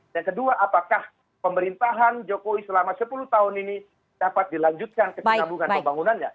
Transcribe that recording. dan kedua apakah pemerintahan jokowi selama sepuluh tahun ini dapat dilanjutkan ke penambungan pembangunannya